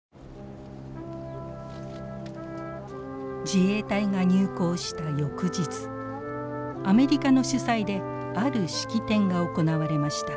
自衛隊が入港した翌日アメリカの主催である式典が行われました。